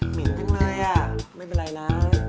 เหม็นจังเลยอ่ะไม่เป็นไรนะ